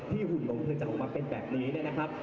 หุ่นของเธอจะออกมาเป็นแบบนี้นะครับ